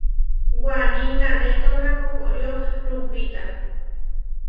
Waní nanétona koʼkorió lupita.